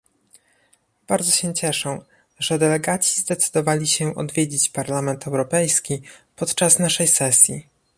Bardzo się cieszę, że delegaci zdecydowali się odwiedzić Parlament Europejski podczas naszej sesji